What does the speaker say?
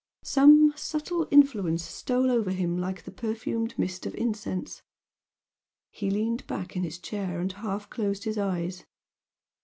Some subtle influence stole over him like the perfumed mist of incense he leaned back in his chair and half closed his eyes.